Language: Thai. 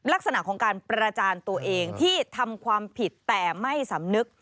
ลักษณะของการประจานตัวเองที่ทำความผิดแต่ไม่สำนึก